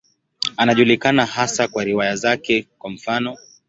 Anajulikana hasa kwa riwaya zake, kwa mfano.